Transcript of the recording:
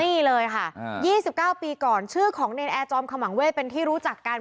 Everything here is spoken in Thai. นี่เลยค่ะ๒๙ปีก่อนชื่อของเนรนแอร์จอมขมังเวทเป็นที่รู้จักกัน